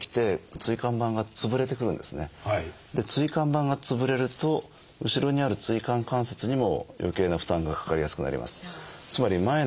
椎間板が潰れると後ろにある椎間関節にもよけいな負担がかかりやすくなります。